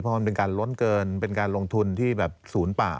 เพราะมันเป็นการล้นเกินเป็นการลงทุนที่แบบศูนย์เปล่า